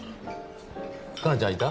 佳奈ちゃんいた？